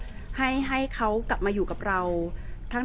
มีคุณภาพชีวิตทางจิตที่ดีขึ้นด้วยไม่ต้องมาคอยระวัง